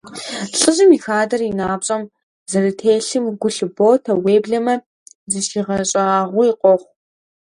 ЛӀыжьым и хадэр и напщӀэм зэрытелъым гу лъыботэ, уеблэмэ зыщигъэщӀагъуи къохъу.